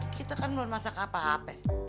kita kan belum masak apa apa